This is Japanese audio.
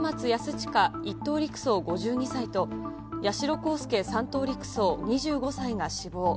親１等陸曹５２歳と、八代航佑３等陸曹２５歳が死亡。